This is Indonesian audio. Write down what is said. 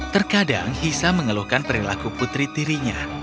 terkadang hisa mengeluhkan perilaku putri tiri nya